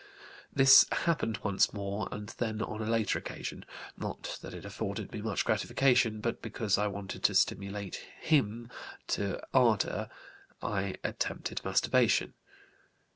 This happened once more, and then on a later occasion, not that it afforded me much gratification, but because I wanted to stimulate him to ardor, I attempted masturbation.